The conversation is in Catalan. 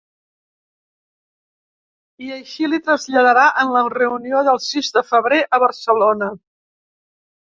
I així li traslladarà en la reunió del sis de febrer a Barcelona.